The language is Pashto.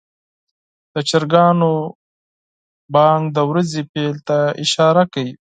د چرګانو بانګ د ورځې پیل ته اشاره کوي.